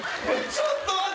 ちょっと待って。